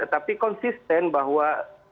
tapi konsisten bahwa